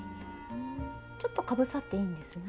ちょっとかぶさっていいんですね。